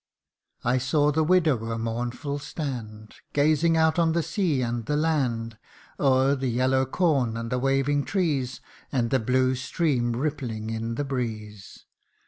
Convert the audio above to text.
" I saw the widower mournful stand, Gazing out on the sea and the land ; O'er the yellow corn and the waving trees, And the blue stream rippling in the breeze.